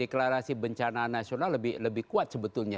deklarasi bencana nasional lebih kuat sebetulnya